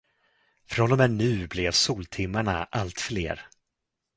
Från och med nu blev soltimmarna allt fler.